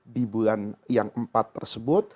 di bulan yang empat tersebut